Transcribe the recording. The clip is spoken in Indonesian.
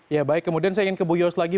ya baik kemudian saya ingin ke bu yos lagi